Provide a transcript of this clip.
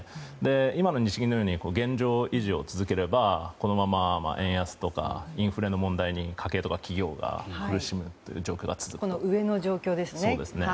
今の日銀のように現状維持を続ければ、円安とかインフレの問題に、家計とか企業が苦しむ状況が続きますね。